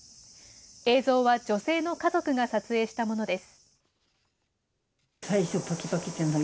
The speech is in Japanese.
映像は女性の家族が撮影したものです。